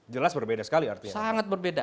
jelas berbeda sekali artinya